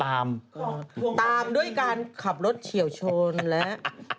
ตามด้วยการขับรถเฉียวชนและ